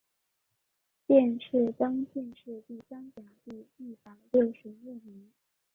殿试登进士第三甲第一百六十六名。